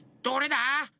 どれだ？